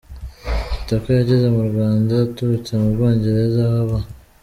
Kitoko yageze mu Rwanda aturutse mu Bwongereza aho aba.